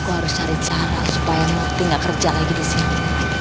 aku harus cari cara supaya murthy gak kerja lagi disini